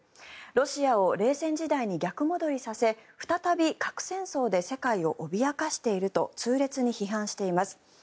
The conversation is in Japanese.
ロシアを冷戦時代に逆戻りさせ再び核戦争で世界を脅かしていると痛烈に批判しています。